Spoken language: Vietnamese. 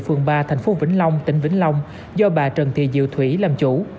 phường ba thành phố vĩnh long tỉnh vĩnh long do bà trần thị diệu thủy làm chủ